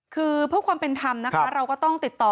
คือเพื่อความเป็นธรรมนะคะเราก็ต้องติดต่อ